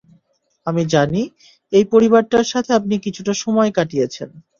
আমরা জানি, এই পরিবারটার সাথে আপনি কিছুটা সময় কাটিয়েছেন।